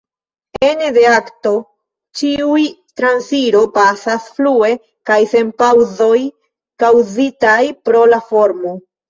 Ene de akto ĉiuj transiro pasas flue kaj sen paŭzoj kaŭzitaj pro la formo.